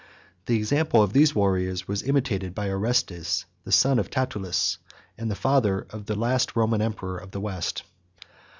The example of these warriors was imitated by Orestes, 118 the son of Tatullus, and the father of the last Roman emperor of the West.